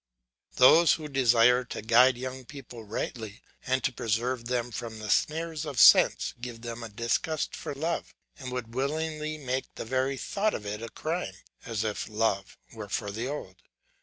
Those who desire to guide young people rightly and to preserve them from the snares of sense give them a disgust for love, and would willingly make the very thought of it a crime, as if love were for the old.